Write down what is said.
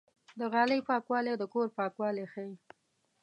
د غالۍ پاکوالی د کور پاکوالی ښيي.